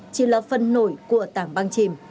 chỉ là phần nổi của tảng băng chìm